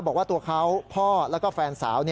บอกว่าตัวเขาพ่อแล้วก็แฟนสาว